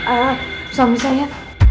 ah suami saya